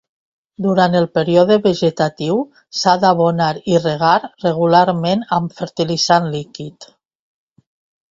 Durant el període vegetatiu s'ha d'abonar i regar regularment amb fertilitzant líquid.